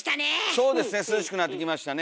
そうですね涼しくなってきましたね。